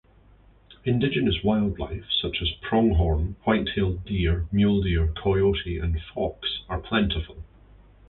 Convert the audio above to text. Indigenous wildlife such as pronghorn, white-tailed deer, mule deer, coyote and fox are plentiful.